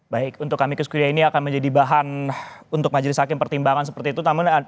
baik untuk amikus kure ini akan menjadi bahan untuk masis hakim pertimbangan seperti itu